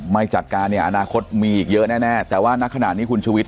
ไม่จัดการเนี่ยอนาคตมีอีกเยอะแน่แต่ว่าณขณะนี้คุณชุวิต